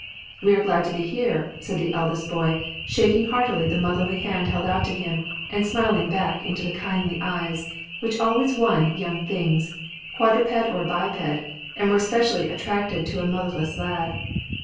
"We are glad to be here," said the oldest boy, shaking heartily the motherly hand held out to him, and smiling back into the kindly eyes which always won young things, quadruped or biped, and were especially attractive to a motherless lad.